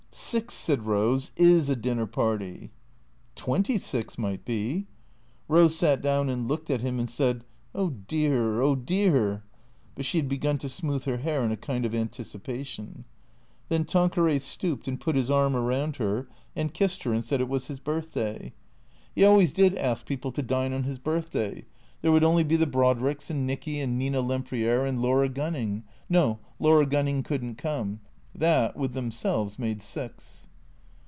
" Six," said Rose, " is a dinner party." " Twenty six might be." Rose sat down and looked at him and said, " Oh dear, oh dear." But she had begun to smooth her hair in a kind of an ticipation. Then Tanqueray stooped and put his arm around her and kissed her and said it was his birthday. He always did ask 19 298 THECEEATORS people to dine on his birthday. There would only be the Brod ricks and Nicky and Nina Lempriere and Laura Gunning — No, Laura Gunning could n't come. That, with themselves, made six.